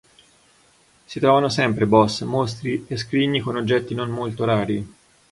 Si trovano sempre boss, mostri e scrigni con oggetti non molto rari.